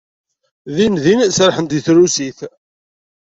Dindin serrḥent deg trusit.